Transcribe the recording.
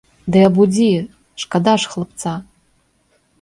Ды абудзі, шкада ж хлапца.